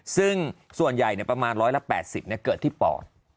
ซึ่งส่วนใหญ่ประมาณ๑๘๐เกิดที่ปอด